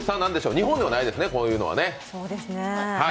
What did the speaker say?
日本ではないですね、こういうものはね。